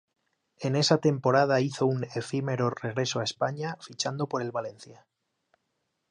En esa temporada hizo un efímero regreso a España fichando por el Valencia.